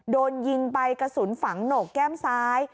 โดนยิงไปกระสุนฝังโหนกแก้มซ้าย